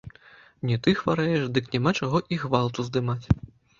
Не ты хварэеш, дык няма чаго і гвалт уздымаць.